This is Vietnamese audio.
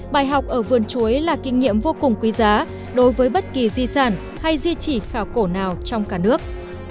bài học ở vườn chuối là kinh nghiệm vô cùng quý giá đối với bất kỳ di sản hay di chỉ khảo cổ nào trong cả nước